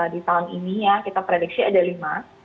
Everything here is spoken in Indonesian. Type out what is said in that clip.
di tahun ini ya kita prediksi ada lima